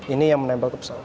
ini yang menempel ke pesawat